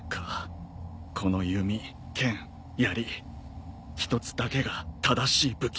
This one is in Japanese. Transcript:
この弓剣やり一つだけが正しい武器。